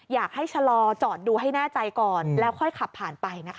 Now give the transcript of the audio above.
อยากให้ชะลอจอดดูให้แน่ใจก่อนแล้วค่อยขับผ่านไปนะคะ